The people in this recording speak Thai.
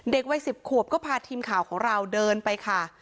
วัย๑๐ขวบก็พาทีมข่าวของเราเดินไปค่ะ